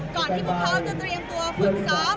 ที่พวกเขาจะเตรียมตัวฝึกซ้อม